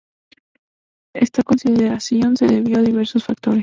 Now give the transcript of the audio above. Esta consideración se debió a diversos factores.